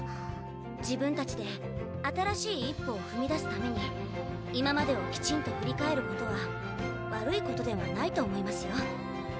自分たちで新しい一歩を踏み出すために今までをきちんと振り返ることは悪いことではないと思いますよ。